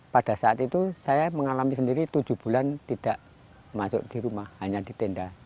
pada saat itu saya mengalami sendiri tujuh bulan tidak masuk di rumah hanya di tenda